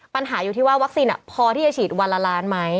ปัญหาอยู่ที่ว่าวัคซีนพอที่จะฉีดวันละล้านไหม